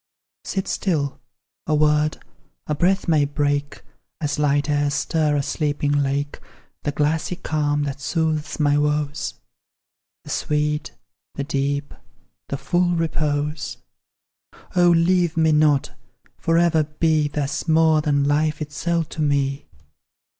Sit still a word a breath may break (As light airs stir a sleeping lake) The glassy calm that soothes my woes The sweet, the deep, the full repose. O leave me not! for ever be Thus, more than life itself to me!